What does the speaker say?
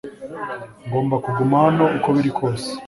Ngomba kuguma hano uko biri kose